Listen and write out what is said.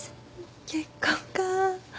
結婚か。